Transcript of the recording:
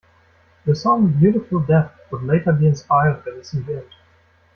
The song "Beautiful Death" would later be inspired by this event.